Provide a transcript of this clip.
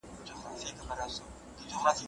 د دوهم واده حقيقي موخي څه کېدای سي؟